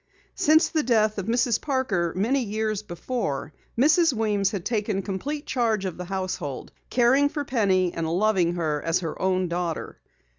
Since the death of Mrs. Parker many years before Mrs. Weems had taken complete charge of the household, caring for Penny and loving her as her own daughter.